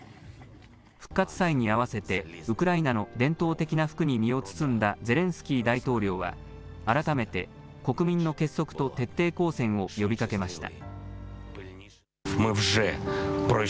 復活祭に合わせてウクライナの伝統的な服に身を包んだゼレンスキー大統領は改めて国民の結束と徹底抗戦を呼びかけました。